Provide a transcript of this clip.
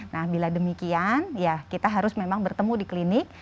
nah bila demikian ya kita harus memang bertemu di klinik